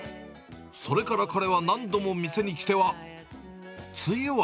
それから彼は何度も店に来ては。